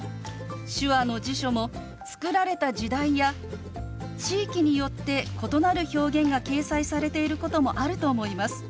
手話の辞書も作られた時代や地域によって異なる表現が掲載されていることもあると思います。